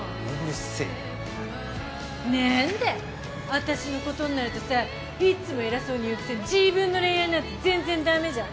私のことになるとさいつも偉そうに言うくせに自分の恋愛になると全然駄目じゃん。